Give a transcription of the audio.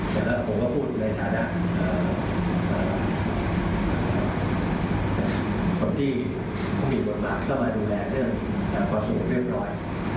แต่แล้วผมก็พูดในฐานะคนที่มีบทธาตุเข้ามาดูแลเรื่องการประสงค์เรียบร้อย